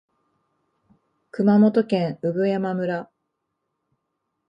熊本県産山村